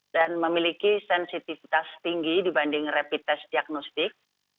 dan memiliki sensitivitas tinggi dibanding rapid test diagnostik